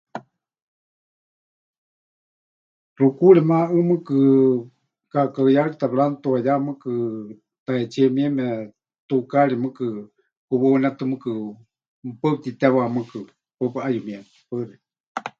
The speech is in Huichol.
Xukuuri maʼɨ mɨɨkɨ kaakaɨyarita pɨranutuayá mɨɨkɨ tahetsíe mieme, tukaari mɨɨkɨ kuwaunétɨ mɨɨkɨ paɨ pɨtitewá mɨɨkɨ, paɨ pɨ'ayumieme. Paɨ xeikɨ́a.